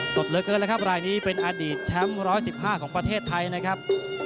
สดเหลือเกินแล้วครับรายนี้เป็นอดีตแชมป์๑๑๕ของประเทศไทยนะครับ